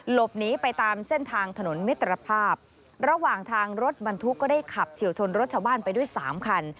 หลบหนีไปตามเส้นทางถนนมิตรภาพระหว่างทางรถบรรทุกก็ได้ขับเฉียวชนรถชาวบ้านไปด้วยสามคัน